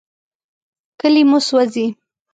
کلي مو سوځي.